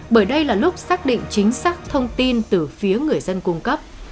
bởi đây là lúc xác định chính xác thông tin từ phía người dân cung cấp